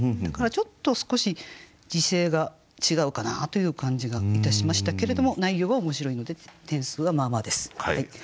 だからちょっと少し時世が違うかなという感じがいたしましたけれども内容は面白いので点数はまあまあです。